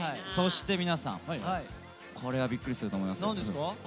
そして皆さんこれはびっくりすると思いますよ。